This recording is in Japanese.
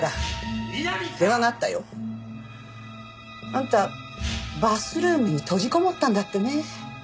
あんたバスルームに閉じこもったんだってね？